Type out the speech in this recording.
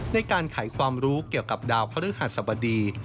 ในการไขความรู้เกี่ยวกับดาวพระฤหัสบดี